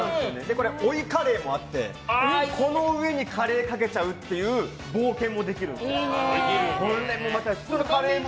これ、追いカレーもあってこの上にカレーをかけちゃうという冒険もできるんですよ。